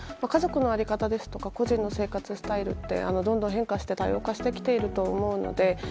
家族の在り方ですとか個人の生活スタイルってどんどん変化して多様化してきていると思うので。